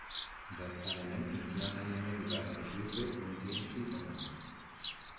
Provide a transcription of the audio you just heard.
Das Parlament nimmt nacheinander die beiden Beschlüsse und die Entschließung an.